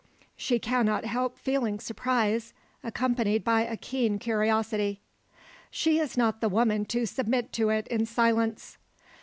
She cannot help feeling surprise, accompanied by a keen curiosity. She is not the woman to submit to it in silence.